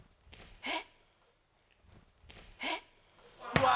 えっ！